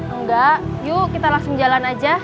enggak yuk kita langsung jalan aja